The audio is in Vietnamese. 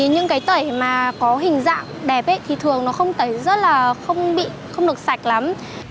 những cái tẩy mà có hình dạng đẹp thì thường nó không tẩy rất là không bị không được sạch lắm